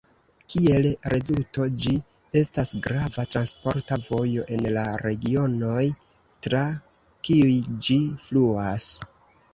Kiel rezulto, ĝi estas grava transporta vojo en la regionoj tra kiuj ĝi fluas.